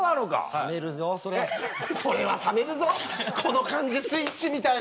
冷めるぞそれそれは冷めるぞこの感じでスイッチみたいな。